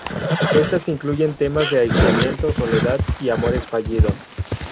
Estas incluyen temas del aislamiento, soledad y amores fallidos.